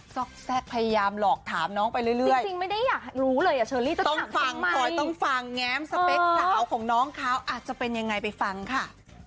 ซอกแทรกพยายามหลอกถามน้องไปเรื่อยจริงไม่ได้อยากรู้เลยอ่ะเชอรี่จะต้องฟังพลอยต้องฟังแง้มสเปคสาวของน้องเขาอาจจะเป็นยังไงไปฟังค่ะ